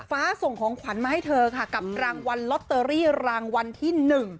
ส่งของขวัญมาให้เธอค่ะกับรางวัลลอตเตอรี่รางวัลที่๑